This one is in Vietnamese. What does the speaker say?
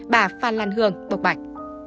bà phan lan hương bộc bạch